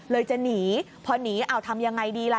เลยจะหนีเพราะหนีทำอย่างไรดีล่ะ